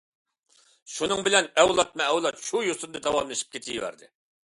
شۇنىڭ بىلەن ئەۋلادمۇ ئەۋلاد شۇ يوسۇندا داۋاملىشىپ كېتىۋەردى.